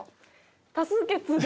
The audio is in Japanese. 多数決で？